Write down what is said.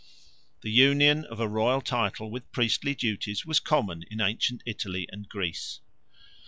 The union of a royal title with priestly duties was common in ancient Italy and Greece.